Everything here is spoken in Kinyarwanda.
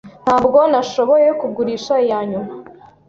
Ntabwo nashoboye kugurisha iyanyuma.